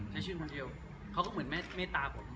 ใช้ชื่นคนเดียวเขาก็เหมือนเมตตาผม